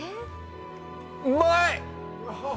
うまい！